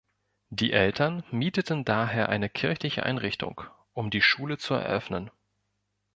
Die Eltern mieteten daher eine kirchliche Einrichtung, um die Schule zu eröffnen.